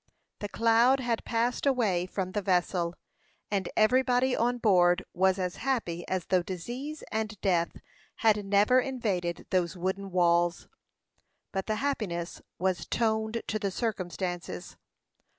The cloud had passed away from the vessel, and everybody on board was as happy as though disease and death had never invaded those wooden walls. But the happiness was toned to the circumstances.